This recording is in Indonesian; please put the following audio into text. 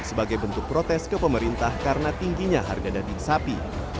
sebagai bentuk protes ke pemerintah karena tingginya harga daging sapi